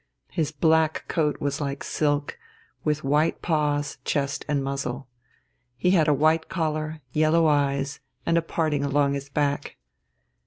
His black coat was like silk, with white paws, chest, and muzzle. He had a white collar, yellow eyes, and a parting along his back.